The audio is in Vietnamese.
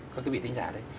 các quý vị tính giả đây